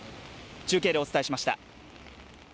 中継でお伝えしました。